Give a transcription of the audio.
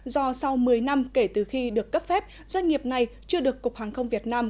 do sau một mươi năm kể từ khi được cấp phép doanh nghiệp này chưa được cục hàng không việt nam